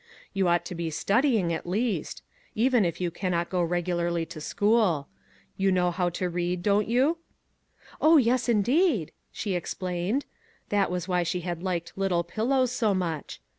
You ought to be studying, at least; even if you can not go regularly to school. You know how to read, don't you ?"" Oh, yes, indeed !" she explained. That was why she had liked " Little Pillows " so much.